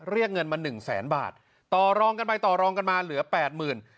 เรียกเงินมาหนึ่งแสนบาทต่อรองกันไปต่อรองกันมาเหลือแปดหมื่น